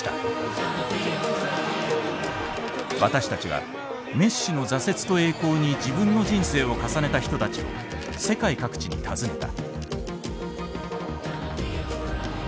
私たちはメッシの挫折と栄光に自分の人生を重ねた人たちを世界各地に訪ねた。